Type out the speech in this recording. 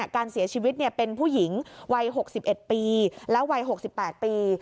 การเสียชีวิตเป็นผู้หญิงวัย๖๑ปีและวัย๖๘ปี